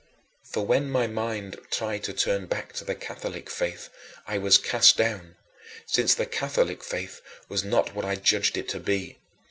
For when my mind tried to turn back to the Catholic faith, I was cast down, since the Catholic faith was not what I judged it to be.